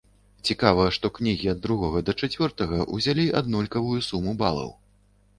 Цікава, што кнігі ад другога да чацвёртага ўзялі аднолькавую суму балаў.